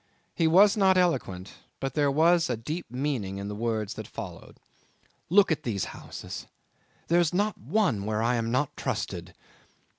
He was not eloquent, but there was a deep meaning in the words that followed. "Look at these houses; there's not one where I am not trusted.